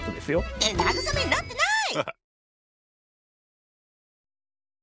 って慰めになってない！